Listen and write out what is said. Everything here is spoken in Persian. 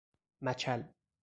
مچل